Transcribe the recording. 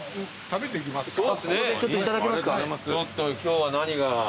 ちょっと今日は何が？